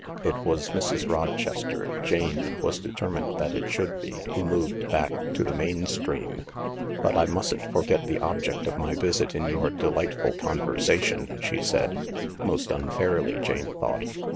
It was Mrs. Rochester— Jane was determined that it should be— who moved back to the main stream. " But I mustn't forget the object of my visit in your delightful conversation/'shesaid— mostunf airly Janethought.